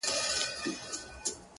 قربانو زه له پيغورو بېرېږم،